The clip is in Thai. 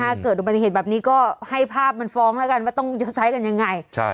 เกิดอุบัติเหตุแบบนี้ก็ให้ภาพมันฟ้องแล้วกันว่าต้องใช้กันยังไงใช่